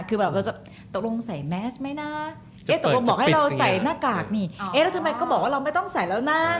คือแบบเราจะตกลงใส่แมสไหมนะเอ๊ะตกลงบอกให้เราใส่หน้ากากนี่เอ๊ะแล้วทำไมก็บอกว่าเราไม่ต้องใส่แล้วนะ